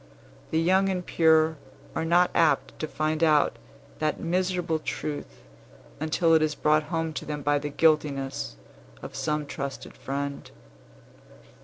The young and pure are not apt to find out that miserable truth until it is brought home to them by the guiltiness of some trusted friend.